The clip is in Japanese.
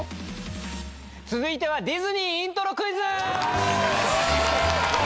続いてはディズニーイントロクイズ。